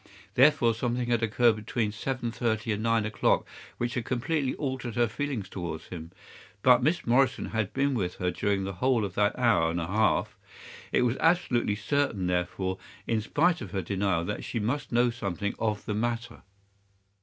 Therefore something had occurred between seven thirty and nine o'clock which had completely altered her feelings towards him. But Miss Morrison had been with her during the whole of that hour and a half. It was absolutely certain, therefore, in spite of her denial, that she must know something of the matter.